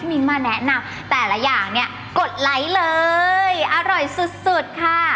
มิ้นมาแนะนำแต่ละอย่างเนี่ยกดไลค์เลยอร่อยสุดสุดค่ะ